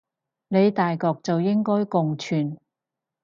理大局就應該共存